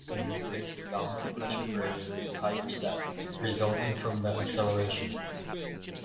In this case the dominant pressure gradient is hydrostatic, resulting from the acceleration.